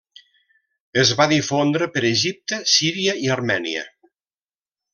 Es va difondre per Egipte, Síria i Armènia.